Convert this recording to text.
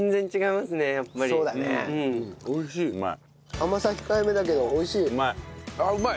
甘さ控えめだけど美味しい。